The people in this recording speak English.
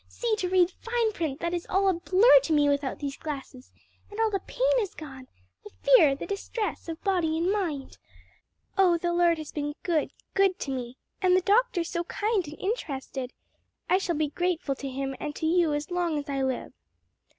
see to read fine print that is all a blur to me without these glasses; and all the pain is gone, the fear, the distress of body and mind. Oh, the Lord has been good, good to me! and the doctor so kind and interested! I shall be grateful to him and to you as long as I live!"